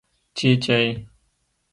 🐤چېچۍ